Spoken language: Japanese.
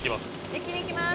一気にいきます。